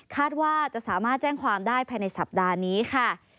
คาดว่าจะสามารถแจ้งความได้ภายในสัปดาห์นี้ค่ะ